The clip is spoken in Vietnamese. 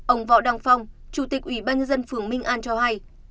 ông võ đăng phong chủ tịch ủy ban nhân dân phường minh an cho hay